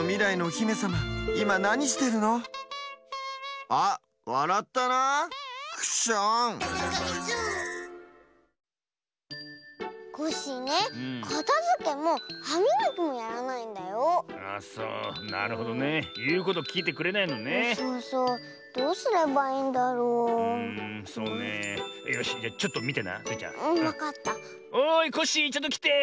おいコッシーちょっときて。